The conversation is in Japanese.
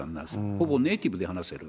ほぼネイティブで話せる。